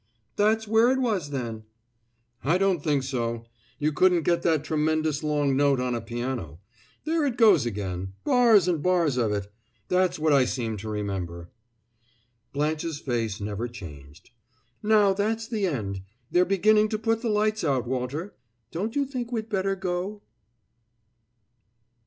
"That's where it was, then." "I don't think so. You couldn't get that tremendous long note on a piano. There it goes again bars and bars of it! That's what I seem to remember." Blanche's face never changed. "Now, that's the end. They're beginning to put the lights out, Walter. Don't you think we'd better go?"